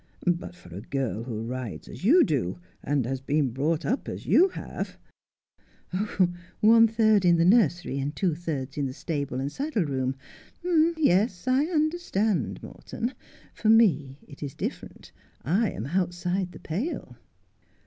But for a girl who rides as you do, and who has been brought up as you have ' Link by Link. 117 ' One third in the nursery, and two thirds in the stable and saddle room. Yes, I understand, Morton — for me it is different. I am outside the pale.'